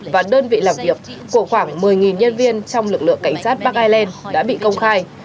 và đơn vị làm việc của khoảng một mươi nhân viên trong lực lượng cảnh sát bắc ireland đã bị công khai